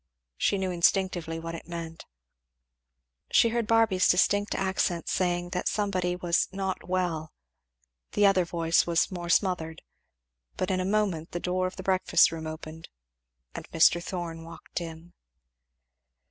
She knew instinctively what it meant. She heard Barby's distinct accents saying that somebody was "not well." The other voice was more smothered. But in a moment the door of the breakfast room opened and Mr. Thorn walked in.